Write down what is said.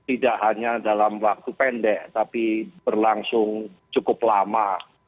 tidak hanya dalam waktu pendek tapi berlangsung cukup lama